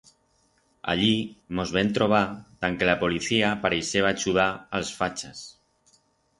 Allí mos vem trobar dan que la policía pareixeba achudar a'ls fachas.